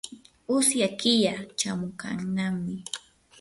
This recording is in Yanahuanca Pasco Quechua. usya killa chamuykannami.